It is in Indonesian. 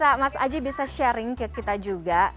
nah mas aji bisa sharing ke kita juga